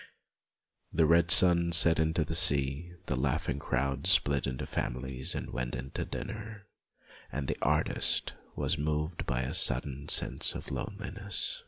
The red sun set into the sea, the laugh ing crowd split into families and went in to dinner, and the artist was moved by a sudden sense of loneliness.